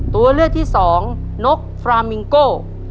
ตัวเลือดที่๓ม้าลายกับนกแก้วมาคอ